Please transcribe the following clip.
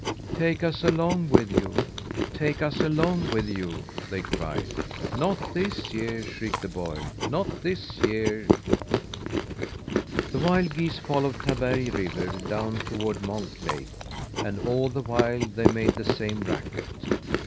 "Take us along with you! Take us along with you!" they cried. "Not this year," shrieked the boy. "Not this year." The wild geese followed Taberg River down toward Monk Lake, and all the while they made the same racket.